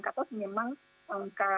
kata memang angka